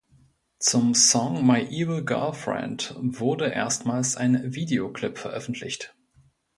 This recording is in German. Zum Song „My Evil Girlfriend“ wurde erstmals ein Videoclip veröffentlicht.